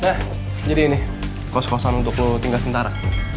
nah jadi ini kos kosan untuk lo tinggal sentara